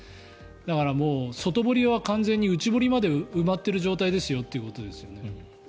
だから、外堀は完全に内堀まで埋まっている状況ですよってことですよね。